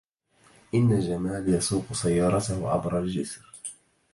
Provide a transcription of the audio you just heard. إن جمال يسوق سيارته عبر الجسر.